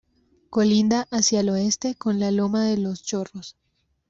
Colinda hacia el oeste con la Loma de Los Chorros.